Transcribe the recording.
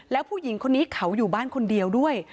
แล้วผู้หญิงคนนี้เขาอยู่บ้านคนเดียวด้วย